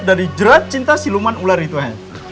dari jerat cinta si luman ular itu hei